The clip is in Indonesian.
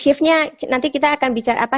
shiftnya nanti kita akan bicara apa